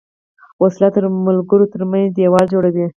وسله د ملګرو تر منځ دیوال جوړوي